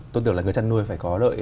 tôi tưởng là người chăn nuôi phải có lợi